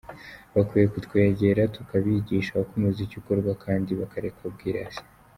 Bakwiye kutwegera tukabigisha uko umuziki ukorwa kandi bakareka ubwirasi.